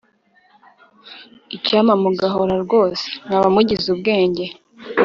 Icyampa mugahora rwose, Mwaba mugize ubwenge